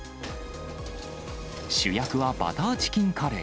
主役はバターチキンカレー。